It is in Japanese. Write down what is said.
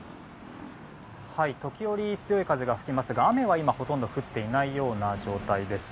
時折、強い風が吹きますが雨は今ほとんど降っていないような状態です。